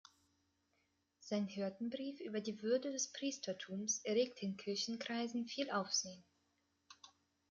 Sein Hirtenbrief über die Würde des Priestertums erregte in Kirchenkreisen viel Aufsehen.